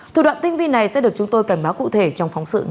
thủ đoạn tinh vi này sẽ được chúng tôi cảnh báo